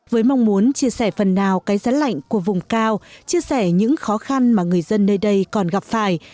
với mong muốn chia sẻ phần nào cái giá lạnh của vùng cao chia sẻ những khó khăn mà người dân nơi đây còn gặp phải